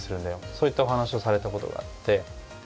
そういったお話をされた事があって。